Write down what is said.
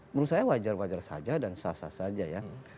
menurut saya wajar wajar saja dan sasar saja ya